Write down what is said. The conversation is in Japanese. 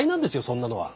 そんなのは。